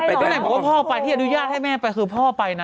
ที่ไหนบอกว่าพ่อไปที่อนุญาตให้แม่ไปคือพ่อไปนะ